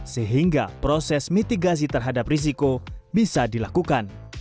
sehingga proses mitigasi terhadap risiko bisa dilakukan